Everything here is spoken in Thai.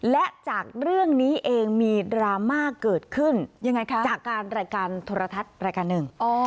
และจากเรื่องนี้เองมีดราม่าเกิดขึ้นยังไงคะจากการรายการโทรทัศน์รายการหนึ่ง